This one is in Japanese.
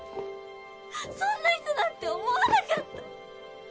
そんな人だって思わなかった！